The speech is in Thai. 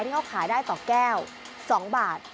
ที่เขาขายได้ต่อแก้ว๒บาท